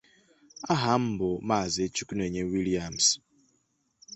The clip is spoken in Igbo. ma ọ bụ ịlụ di